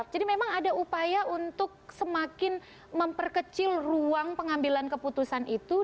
jadi memang ada upaya untuk semakin memperkecil ruang pengambilan keputusan itu